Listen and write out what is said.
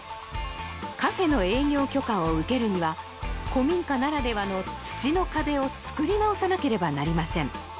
カフェの営業許可を受けるには古民家ならではの土の壁を作り直さなければなりません